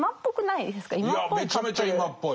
いやめちゃめちゃ今っぽい。